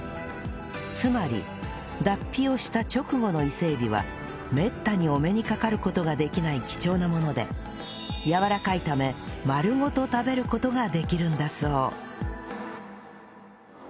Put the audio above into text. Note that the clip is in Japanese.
つまり脱皮をした直後の伊勢エビはめったにお目にかかる事ができない貴重なものでやわらかいため丸ごと食べる事ができるんだそう